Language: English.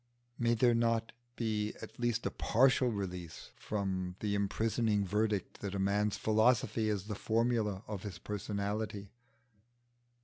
May there not be at least a partial release from the imprisoning verdict that a man's philosophy is the formula of his personality?